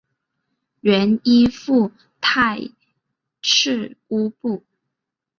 原依附泰赤乌部。